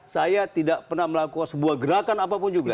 saya tidak pernah melakukan sebuah gerakan apapun juga